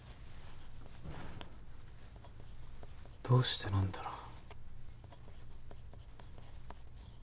どうしてなんだろう。